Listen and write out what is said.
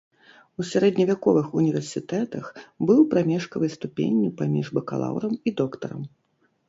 У сярэдневяковых універсітэтах быў прамежкавай ступенню паміж бакалаўрам і доктарам.